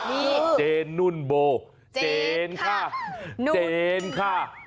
มีเจนนุ่นโบเจนข้าเจนข้า